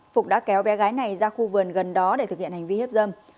phục đã kéo bé gái này ra khu vườn gần đó để thực hiện hành vi hiếp dâm